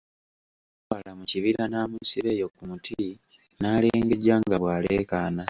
Yamutwala mu kibira n'amusiba eyo ku muti n'alengejja nga bw'aleekaana.